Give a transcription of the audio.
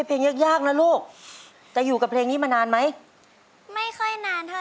แม้จะเหนื่อยหล่อยเล่มลงไปล้องลอยผ่านไปถึงเธอ